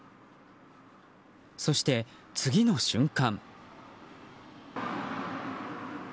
そして、次の瞬間。